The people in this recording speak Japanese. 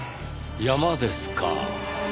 山ですか？